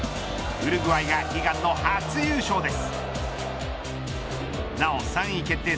ウルグアイが悲願の初優勝です。